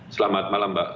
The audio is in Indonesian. selamat malam mbak